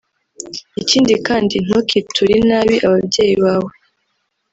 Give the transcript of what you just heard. Ikindi kandi ntukiture inabi ababyeyi bawe